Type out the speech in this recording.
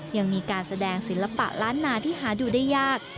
ยังมีการแสดงศิลปะล้านนาที่หาดูได้ยาก